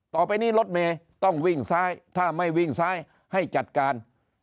ต่อไปนี้รถเมย์ต้องวิ่งซ้ายถ้าไม่วิ่งซ้ายให้จัดการ